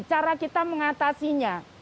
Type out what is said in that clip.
cara kita mengatasinya